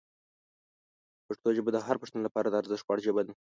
پښتو ژبه د هر پښتون لپاره د ارزښت وړ ژبه ده.